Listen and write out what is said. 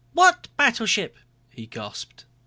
"What battleship!" he gasped.